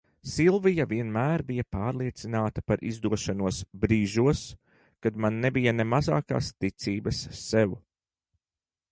Silvija vienmēr bija pārliecināta par izdošanos brīžos, kad man nebija ne mazākās ticības sev.